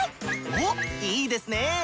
おっいいですね！